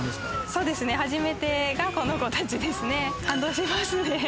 そうですね、初めてがここの子たちですね、感動しますね。